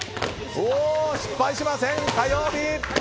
失敗しません、火曜日。